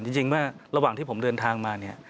จริงเมื่อระหว่างที่ผมเดินทางมาเนี่ย